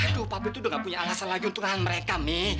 aduh papi tuh udah gak punya alasan lagi untungan mereka mi